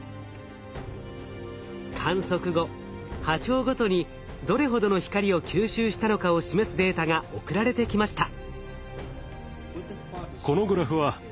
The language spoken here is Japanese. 観測後波長ごとにどれほどの光を吸収したのかを示すデータが送られてきました。